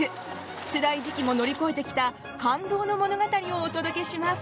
つらい時期も乗り越えてきた感動の物語をお届けします。